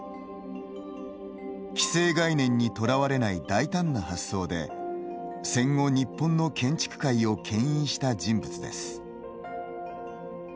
既成概念にとらわれない大胆な発想で戦後、日本の建築界をけん引した人物です。